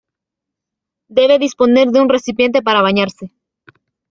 Debe disponer de un recipiente para bañarse.